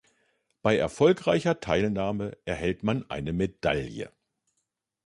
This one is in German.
Bei erfolgreicher Teilnahme erhält man eine Medaille.